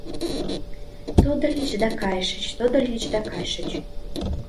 Тодыльыч да кайышыч, тодыльыч да кайышыч